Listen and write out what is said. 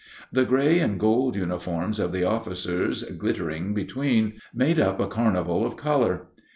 The gray and gold uniforms of the officers, glittering between, made up a carnival of color.